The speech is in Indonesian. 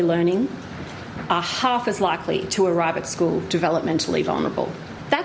sedangkan anak anak yang memiliki akses ke pembelajaran awal kualitas